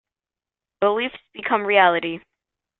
Beliefs become reality.